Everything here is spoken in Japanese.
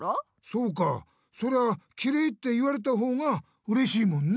そうかそりゃきれいって言われたほうがうれしいもんね。